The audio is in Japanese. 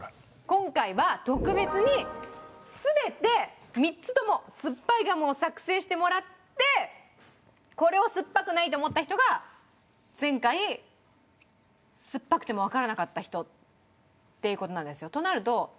今回は特別に全て３つともすっぱいガムを作製してもらってこれをすっぱくないと思った人が前回すっぱくてもわからなかった人っていう事なんですよ。となると。